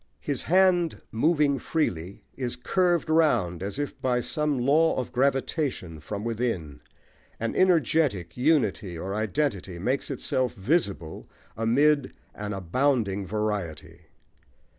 His hand moving freely is curved round as if by some law of gravitation from within: an energetic unity or identity makes itself visible amid an abounding variety.